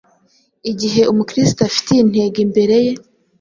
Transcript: Igihe Umukristo afite iyi ntego imbere ye